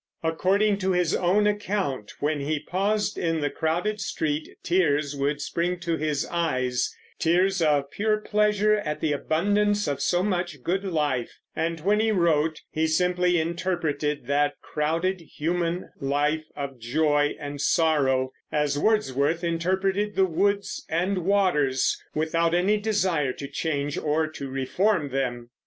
According to his own account, when he paused in the crowded street tears would spring to his eyes, tears of pure pleasure at the abundance of so much good life; and when he wrote, he simply interpreted that crowded human life of joy and sorrow, as Wordsworth interpreted the woods and waters, without any desire to change or to reform them.